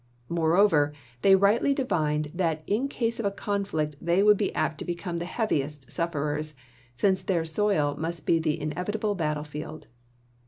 Moreover, they rightly di vined that in case of a conflict they would be apt to become the heaviest sufferers, since their soil must be the inevitable battlefield.